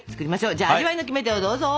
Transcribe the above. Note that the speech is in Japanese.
じゃあ味わいのキメテをどうぞ。